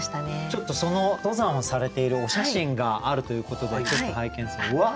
ちょっとその登山をされているお写真があるということでちょっと拝見するうわ！